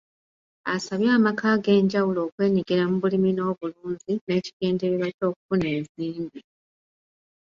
Asabye amaka ag’enjawulo okwenyigira mu bulimi n’obulunzi n’ekigendererwa ky’okufuna ensimbi.